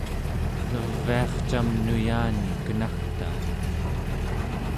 neviarcam nuyani kenagtai